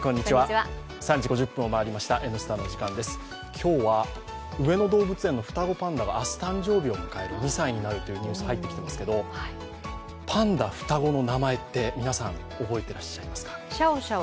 今日は上野動物園の双子パンダが明日誕生日を迎える２歳になるというニュースが入ってきましたけど、パンダ双子の名前って皆さん、覚えてらっしゃいますか？